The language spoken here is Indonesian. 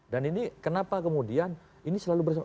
dan ini kenapa kemudian ini selalu bersama